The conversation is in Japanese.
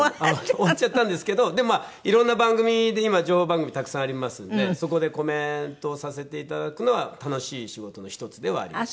終わっちゃったんですけどでもまあ色んな番組で今情報番組たくさんありますのでそこでコメントをさせて頂くのは楽しい仕事の一つではあります。